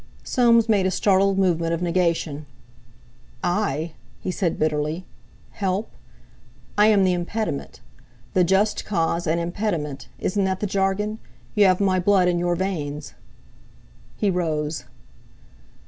Soames made a startled movement of negation. "I?" he said bitterly. "Help? I am the impediment—the just cause and impediment—isn't that the jargon? You have my blood in your veins." He rose.